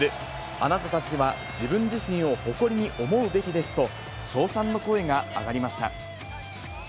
あなたたちは自分自身を誇りに思うべきですと、称賛の声が上がりました。